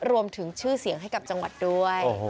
รวมถึงชื่อเสียงให้กับจังหวัดด้วย